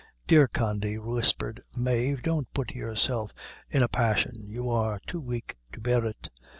"Dear Condy," whispered Mave, "don't put yourself in a passion; you are too weak to bear it."